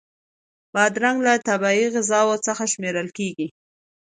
بادرنګ له طبعی غذاوو څخه شمېرل کېږي.